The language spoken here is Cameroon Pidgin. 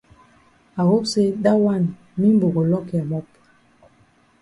I hope say dat wan mimbo go lock ya mop.